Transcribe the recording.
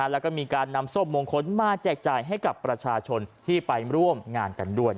แล้วก็มีการนำส้มมงคลมาแจกจ่ายให้กับประชาชนที่ไปร่วมงานกันด้วย